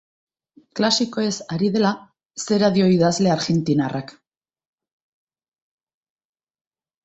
Klasikoez ari dela, zera dio idazle argentinarrak.